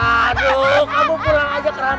aduh kamu pulang aja ke ranah